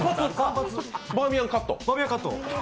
バーミヤンカット？